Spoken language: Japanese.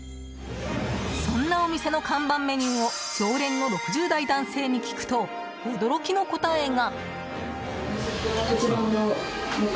そんなお店の看板メニューを常連の６０代男性に聞くと驚きの答えが。